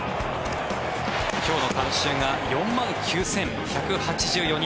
今日の観衆は４万９１８４人。